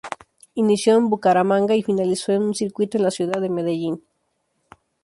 Inició en Bucaramanga y finalizó en un circuito en la ciudad de Medellín.